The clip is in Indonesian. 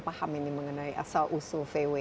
paham ini mengenai asal usul vw